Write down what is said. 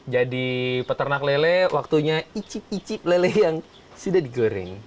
jadi peternak lele waktunya icip icip lele yang sudah digoreng